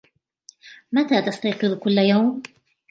متى تستيقظ كل يوم ؟